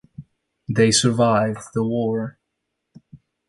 They survived the war.